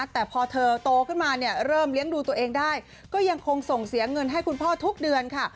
แต่พอเธอโตขึ้นมาเริ่มเลี้ยงดูตัวเองได้ก็ยังคงส่งเสียเงินให้คุณพ่อทุกเดือนค่ะ